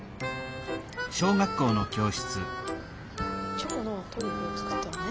チョコのトリュフを作ったのね。